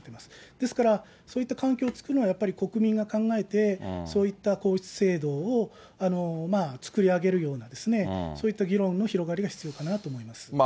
ですから、そういった環境を作るのは、国民が考えて、そういった皇室制度を、作り上げるような、そういった議論の広がりが必要かなと思います。